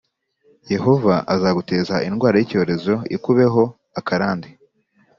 Yehova azaguteza indwara y’icyorezo ikubeho akarande,